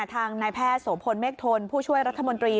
ทางนายแพทย์โสพลเมฆทนผู้ช่วยรัฐมนตรี